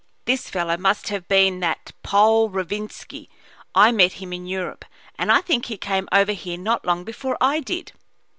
This fellow must have been that Pole, Rovinski. I met him in Europe, and I think he came over here not long before I did."